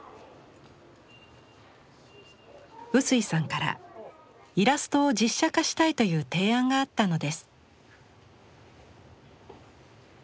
臼井さんからイラストを実写化したいという提案があったのです。